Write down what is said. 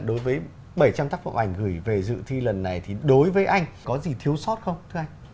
đối với bảy trăm linh tác phẩm ảnh gửi về dự thi lần này thì đối với anh có gì thiếu sót không thưa anh